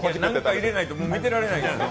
なんか入れないとみてられないです。